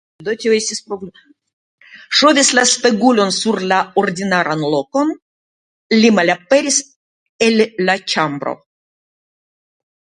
Ŝovis la spegulon sur la ordinaran lokon, li malaperis el la ĉambro.